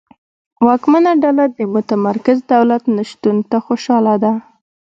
واکمنه ډله د متمرکز دولت نشتون ته خوشاله ده.